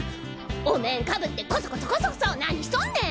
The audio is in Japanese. お面被ってコソコソコソコソ何しとんねん！？